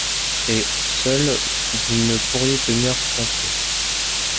Et, seul, vous ne pourriez tenir contre eux